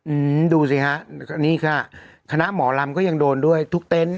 อืมดูสิฮะนี่ค่ะคณะหมอลำก็ยังโดนด้วยทุกเต็นต์